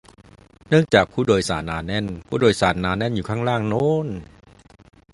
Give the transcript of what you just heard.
เนื่องจาก "ผู้โดยสาร" หนาแน่น "ผู้โดยสาร" หนาแน่นอยู่ด้านล่างโน่น